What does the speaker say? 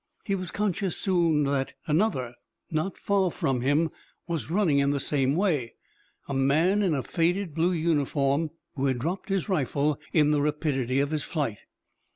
He was conscious soon that another not far from him was running in the same way, a man in a faded blue uniform who had dropped his rifle in the rapidity of his flight.